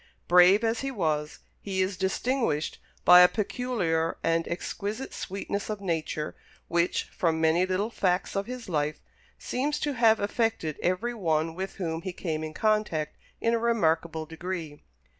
Brave as he was, he is distinguished by a peculiar and exquisite sweetness of nature, which, from many little facts of his life, seems to have affected every one with whom he came in contact in a remarkable degree.